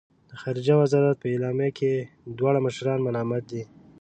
د خارجه وزارت په اعلامیه کې دواړه مشران ملامت دي.